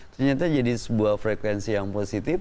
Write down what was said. ternyata jadi sebuah frekuensi yang positif